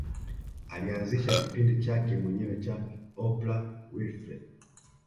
Alianzisha kipindi chake mwenyewe cha Oprah Winfrey